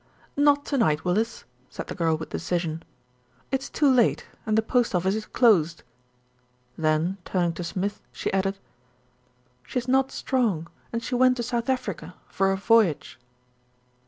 "Not to night, Willis," said the girl with decision. "It's too late, and the post office is closed." Then turning to Smith, she added, "She is not strong, and she went to South Africa for a voyage."